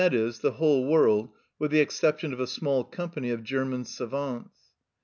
e._, the whole world, with the exception of a small company of German savants.